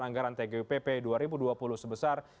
anggaran tgupp dua ribu dua puluh sebesar